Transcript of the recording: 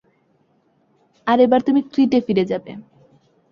আর এবার তুমি ক্রিটে ফিরে যাবে?